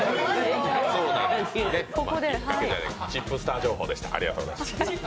チップスター情報でした。